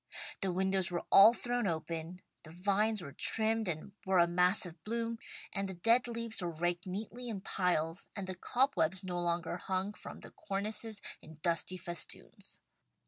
The windows were all thrown open, the vines were trimmed, and were a mass of bloom, the dead leaves were raked neatly in piles and the cobwebs no longer hung from the cornices in dusty festoons.